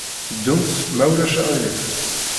Ddumt, ma ulac aɣilif.